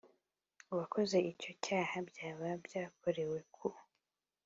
uwakoze icyo cyaha byaba byakorewe ku